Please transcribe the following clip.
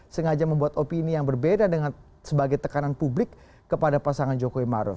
sengaja membuat opini yang berbeda dengan sebagai tekanan publik kepada pasangan jokowi maruf